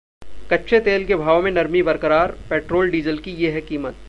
कच्चे तेल के भाव में नरमी बरकरार, पेट्रोल-डीजल की ये है कीमत